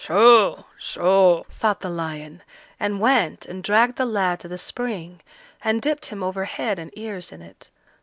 "So, so!" thought the lion, and went and dragged the lad to the spring, and dipped him over head and ears in it.